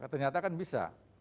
ternyata kan bisa